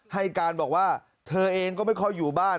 ให้การบอกว่าเธอเองก็ไม่ค่อยอยู่บ้าน